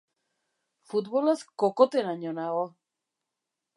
Futbolaz kokoteraino nago.